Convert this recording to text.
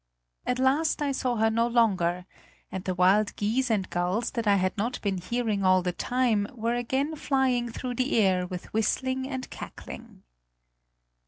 At last I saw her no longer, and the wild geese and gulls that I had not been hearing all the time were again flying through the air with whistling and cackling."